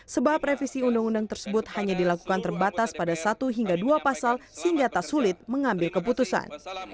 sebab revisi undang undang tersebut hanya dilakukan terbatas pada satu hingga dua pasal sehingga tak sulit mengambil keputusan